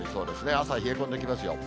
朝は冷え込んできますよ。